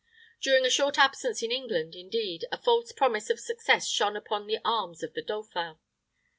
During a short absence in England, indeed, a false promise of success shone upon the arms of the dauphin.